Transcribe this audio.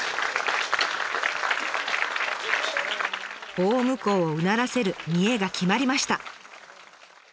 ・大向うをうならせる見得が決まりました。